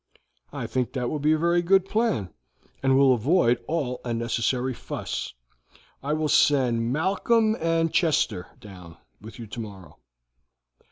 "I think that will be a very good plan, and will avoid all unnecessary fuss. I will send Malcolm and Chester down with you tomorrow.